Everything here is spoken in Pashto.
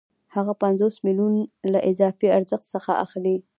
هغه پنځوس میلیونه له اضافي ارزښت څخه اخلي